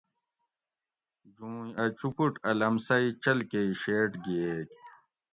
جوئیں اۤ چوپوٹ ا لمسئی چل کہ ای شیٹ گھئیگ